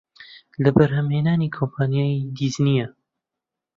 لە بەرهەمهێنانی کۆمپانیای دیزنییە